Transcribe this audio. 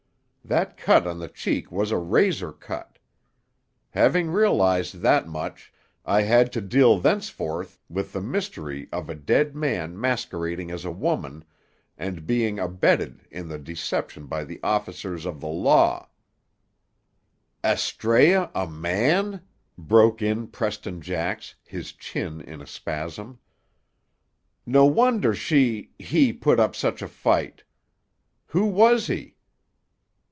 That cut on the cheek was a razor cut. Having realized that much, I had to deal thenceforth with the mystery of a dead man masquerading as a woman, and being abetted in the deception by the officers of the law—" "Astræa a man!" broke in Preston Jax, his chin in a spasm. "No wonder she—he put up such a fight. Who was he?"